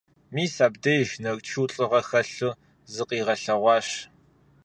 Мис абдеж Нарчу лӀыгъэ хэлъу зыкъигъэлъэгъуащ.